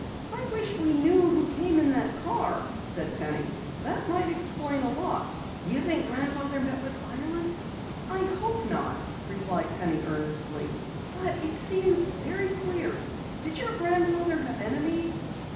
"I wish we knew who came in the car," said Penny. "That might explain a lot." "You you think Grandfather met with violence?" "I hope not," replied Penny earnestly. "But it seems very queer. Did your grandfather have enemies?"